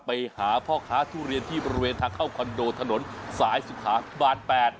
ไปหาพ่อค้าทุเรียนที่บริเวณทางเข้าคอนโดถนนสายสุขาพิบาล๘